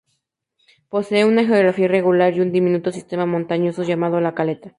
Posee una geografía irregular y un diminuto sistema montañosos llamado La Caleta.